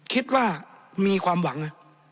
คิดว่ามีความหวังนะ